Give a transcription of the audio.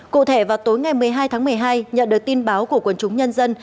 cụ thể vào tối ngày một mươi hai tháng một mươi hai nhận được tin báo của quần chúng nhân dân